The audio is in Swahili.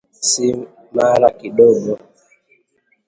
Si mara kidogo